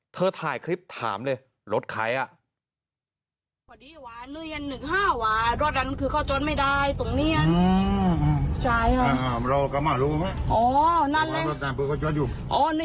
ถ่ายคลิปถามเลยรถใครอ่ะ